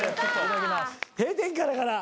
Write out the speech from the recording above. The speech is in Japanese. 閉店ガラガラ。